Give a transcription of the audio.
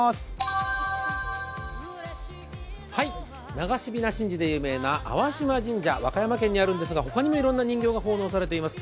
流しびな神事で有名な淡嶋神社、和歌山県にあるんですが、他にもいろんな人形が奉納されています。